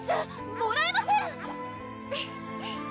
もらえません！